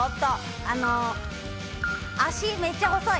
足めっちゃ細い。